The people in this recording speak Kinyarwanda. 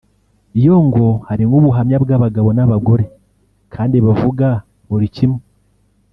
yo ngo harimo ubuhamya bw’abagabo n’abagore kandi bavuga buri kimwe